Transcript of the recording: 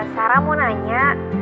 sarah mau nanya